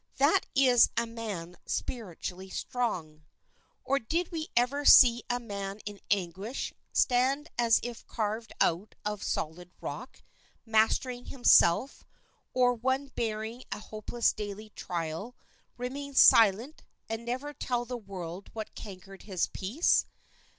That is a man spiritually strong. Or did we ever see a man in anguish stand as if carved out of solid rock mastering himself, or one bearing a hopeless daily trial remain silent and never tell the world what cankered his peace?